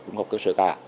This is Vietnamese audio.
cũng không có cơ sở cả